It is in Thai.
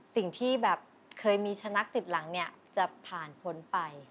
สิ่งที่แบบเคยมีชะนักติดหลังจะผ่านผลไป